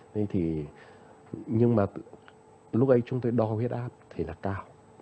nhưng mà lúc ấy chúng tôi đo huyết áp thì là cao